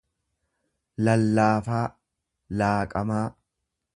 lallaafaa, laaqamaa.